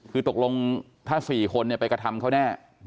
คือตกลงถ้า๔คนไปกระทำเขาแน่